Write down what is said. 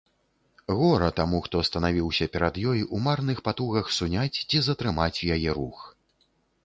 Гора таму, хто станавіўся перад ёй у марных патугах суняць ці затрымаць яе рух!